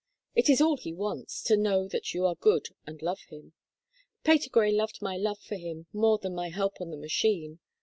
"It is all he wants, to know that you are good and love him. Patergrey loved my love for him more than my help on the machine.